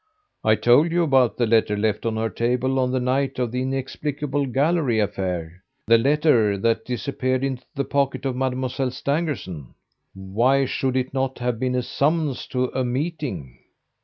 I told you about the letter left on her table, on the night of the inexplicable gallery affair, the letter that disappeared into the pocket of Mademoiselle Stangerson. Why should it not have been a summons to a meeting?